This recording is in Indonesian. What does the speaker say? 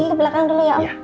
ini ke belakang dulu ya om